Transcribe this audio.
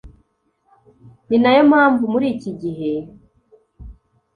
ni nayo mpamvu muri iki gihe